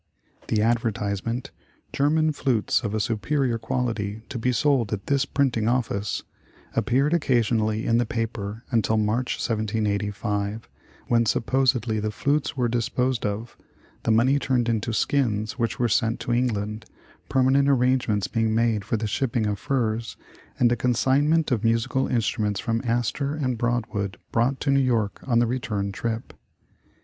The advertisement :'' German Flutes of a superior 64 The Fur Business Quality to be sold at this Printing Office," appeared oc casionally in the paper until March, 1785, when sup posedly the flutes were disposed of, the money turned into skins which were sent to England, permanent ar rangements being made for the shipping of furs, and a consignment of musical instruments from Astor and Broadwood brought to New York on the return trip.